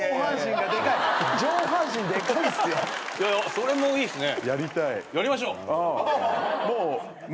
それもいいっすね。